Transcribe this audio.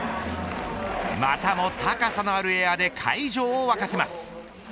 またも高さのあるエアで会場を沸かせます。